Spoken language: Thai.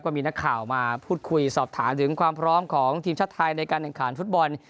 มีนักข่าวมาพูดคุยสอบถามถึงความพร้อมของทีมชาติไทยในการแข่งขันฟุตบอล